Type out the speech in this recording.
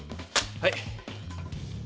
はい。